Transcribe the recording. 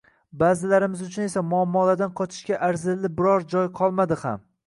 ba’zilarimiz uchun esa muammolardan qochishga arzirli biror joy qolmadi ham